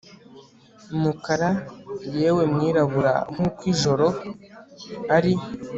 Umukara yewe mwirabura nkuko ijoro ari